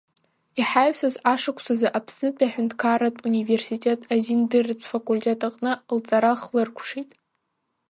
Иҳаҩсыз ашықәсазы Аԥснытәи Аҳәынҭқарратә университет азиндырратә факультет аҟны лҵара хлыркәшеит.